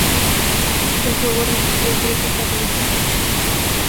El juego recibió críticas mixtas.